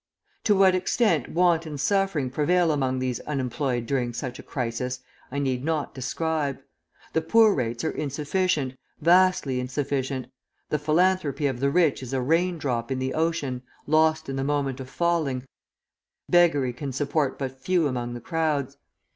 To what extent want and suffering prevail among these unemployed during such a crisis, I need not describe. The poor rates are insufficient, vastly insufficient; the philanthropy of the rich is a rain drop in the ocean, lost in the moment of falling, beggary can support but few among the crowds.